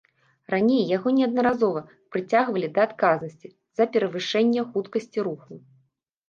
Раней яго неаднаразова прыцягвалі да адказнасці за перавышэнне хуткасці руху.